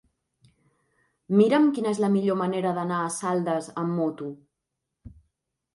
Mira'm quina és la millor manera d'anar a Saldes amb moto.